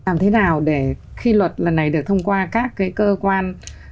làm thế nào để khi luật lần này được thông qua các cái cơ quan